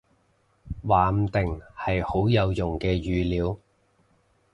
話唔定，係好有用嘅語料